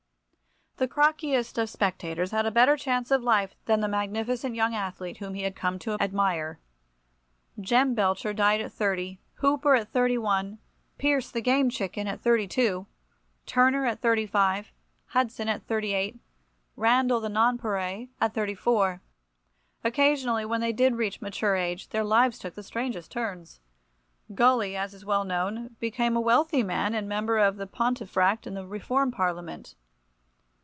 The crockiest of spectators had a better chance of life than the magnificent young athlete whom he had come to admire. Jem Belcher died at 30, Hooper at 31, Pearce, the Game Chicken, at 32, Turner at 35, Hudson at 38, Randall, the Nonpareil, at 34. Occasionally, when they did reach mature age, their lives took the strangest turns. Gully, as is well known, became a wealthy man, and Member for Pontefract in the Reform Parliament.